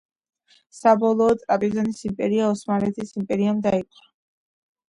საბოლოოდ ტრაპიზონის იმპერია ოსმალეთის იმპერიამ დაიპყრო.